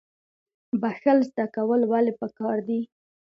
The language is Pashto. بخښل زده کول ولې پکار دي؟